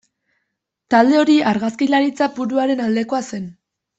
Talde hori argazkilaritza puruaren aldekoa zen.